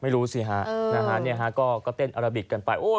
ไม่รู้สิฮะเออนี่ฮะก็เต้นอลาบิกกันไปโอ้โห